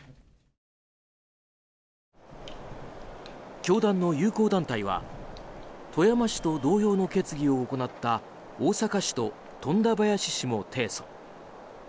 教団の友好団体は富山市と同様の決議を行った大阪市と富田林市も提訴。